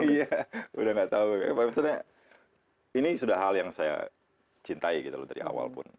iya udah nggak tahu misalnya ini sudah hal yang saya cintai gitu loh dari awal pun